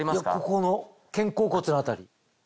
ここの肩甲骨の辺り。